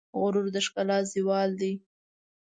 غرور د ښکلا زوال دی.